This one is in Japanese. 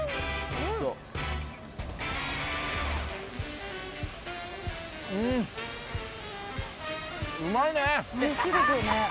おいしいですよね。